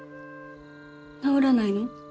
治らないの？